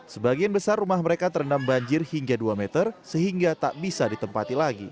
sebagian besar rumah mereka terendam banjir hingga dua meter sehingga tak bisa ditempati lagi